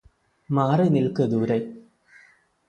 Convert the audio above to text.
മാറി നില്ക്ക് ദൂരെ